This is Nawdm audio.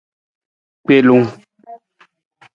Gbelung.